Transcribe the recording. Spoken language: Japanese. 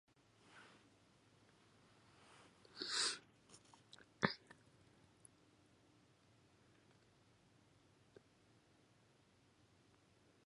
上方では、旧幕時代から引き続いて、明治の中頃に到るまで、関東から来た芸謡は、すべて、長唄であらうと、清元であらうと、一中であらうと、新内であらうと、皆ひつくるめて、たゞ江戸唄と言つた。そしてどれも同じ様な三味線の節に、同じ様な歌ひぶりで歌つてゐた。